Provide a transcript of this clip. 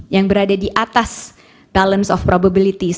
yang berada di atas balance of probabilities